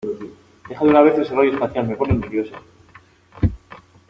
¡ Deja de una vez ese rollo espacial! Me pone nervioso.